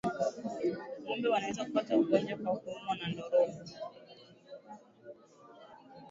Ngombe wanaweza kupata ugonjwa kwa kuumwa na ndorobo